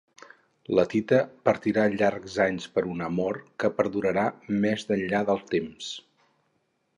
La Tita patirà llargs anys per un amor que perdurarà més enllà del temps.